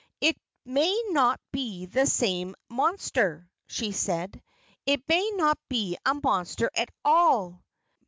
"It may not be the same monster," she said. "It may not be a monster at all."